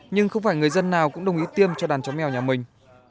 nhưng không phải người dân nào cũng đồng ý tiêm cho đàn chó mèo nhà mình